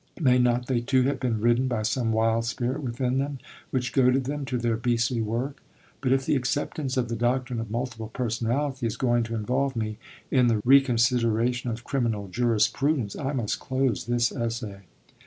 May not they too have been ridden by some wild spirit within them, which goaded them to their beastly work? But if the acceptance of the doctrine of multiple personality is going to involve me in the reconsideration of criminal jurisprudence, I must close this essay.